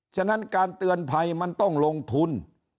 ฉะนั้นการเตือนภัยมันต้องลงทุน